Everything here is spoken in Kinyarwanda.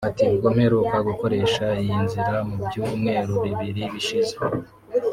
Ati “Ubwo mperuka gukoresha iyi nzira mu byumweru bibiri bishize